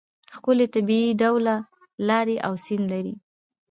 ښکلې طبیعي ډوله لارې او سیند لري.